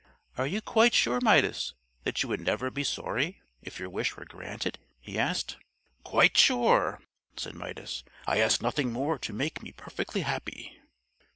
"Are you quite sure, Midas, that you would never be sorry if your wish were granted?" he asked. "Quite sure," said Midas: "I ask nothing more to make me perfectly happy."